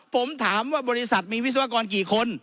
ผมถามว่าบริษัทมีวิศวกรกี่คน